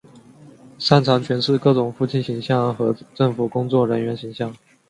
擅长诠释各种父亲形象和政府工作人员形象。